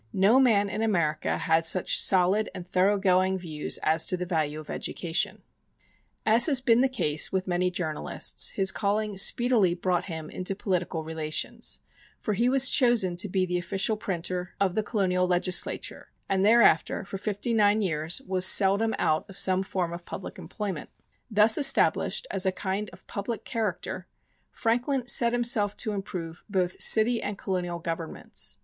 No man in America had such solid and thorough going views as to the value of education. [Illustration: FRANKLIN GIVING PART OF HIS BREAD TO A POOR WOMAN Philadelphia, 1723] As has been the case with many journalists, his calling speedily brought him into political relations, for he was chosen to be the official printer of the Colonial legislature; and thereafter for fifty nine years was seldom out of some form of public employment. Thus established as a kind of public character, Franklin set himself to improve both city and Colonial governments.